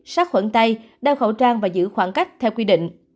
sát khuẩn tay đeo khẩu trang và giữ khoảng cách theo quy định